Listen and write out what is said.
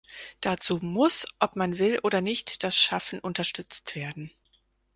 Dazu muss ob man will oder nicht das Schaffen unterstützt werden.